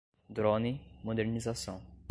drone, modernização